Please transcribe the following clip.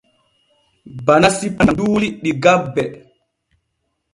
Bana sippan nun nyamduuli ɗi gabbe.